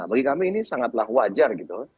bagi kami ini sangatlah wajar gitu